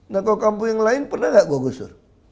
nah kalau kampung yang lain pernah nggak gue gusur